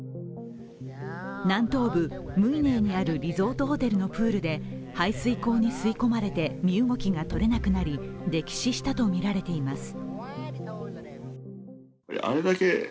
南東部ムイネーにあるリゾートホテルのプールで排水口に吸い込まれて身動きがとれなくなり溺死したとみられています。